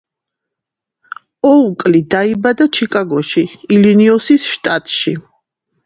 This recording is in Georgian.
ოუკლი დაიბადა ჩიკაგოში, ილინოისის შტატში.